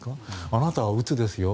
あなたはうつですよ